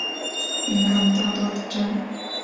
临港大道站